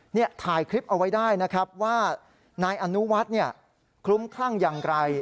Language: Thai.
เนี่ยถ่ายคลิปเอาไว้ได้นะครับว่านายอนุวัฒน์เนี่ยคลุ้มคลั่งอย่างไร